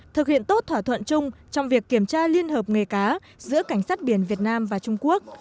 thực hiện tốt thỏa thuận chung trong việc kiểm tra liên hợp nghề cá giữa cảnh sát biển việt nam và trung quốc